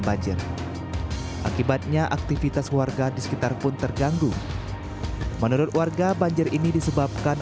banjir akibatnya aktivitas warga di sekitar pun terganggu menurut warga banjir ini disebabkan